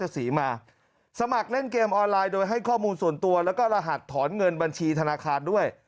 สีมาสมัครเล่นเกมออนไลน์โดยให้ข้อมูลส่วนตัวแล้วก็รหัสถอนเงินบัญชีธนาคารด้วย